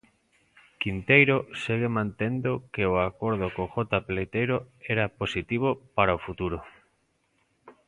Quinteiro segue mantendo que o acordo con Jota Peleteiro era positivo para o futuro.